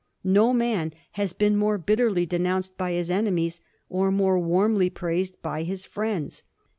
No man has been more bitterly denounced by his enemies or more warmly praised by his friends.